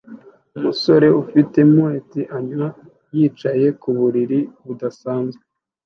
Umusore ufite mullet anywa yicaye ku buriri budasanzwe